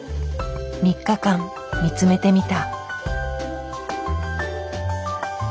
３日間見つめてみた。